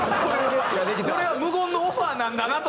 これは無言のオファーなんだなと。